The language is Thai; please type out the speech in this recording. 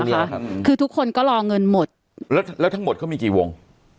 ครับคือทุกคนก็รอเงินหมดแล้วแล้วทั้งหมดเขามีกี่วง